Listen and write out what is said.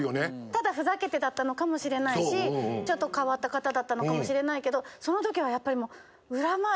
ただふざけてだったのかもしれないしちょっと変わった方だったのかもしれないけどその時はやっぱり。